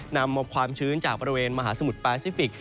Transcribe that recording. นำเอาความชื้นจากบริเวณมหาสมุทรแปซิฟิกส